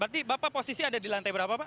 berarti bapak posisi ada di lantai berapa pak